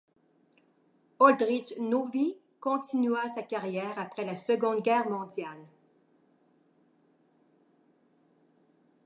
Oldřich Nový continua sa carrière après la Seconde Guerre mondiale.